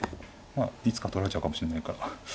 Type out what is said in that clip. まあいつか取られちゃうかもしれないから。